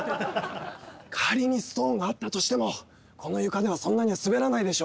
仮にストーンがあったとしてもこの床ではそんなには滑らないでしょ。